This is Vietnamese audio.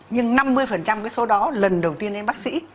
nhưng năm mươi số đó lần đầu tiên đến bác sĩ